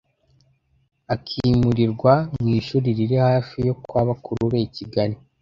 akimurirwa mu ishuri riri hafi yo kwa bakuru be i Kigali